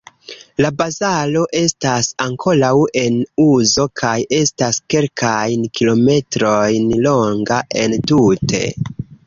La bazaro estas ankoraŭ en uzo kaj estas kelkajn kilometrojn longa entute.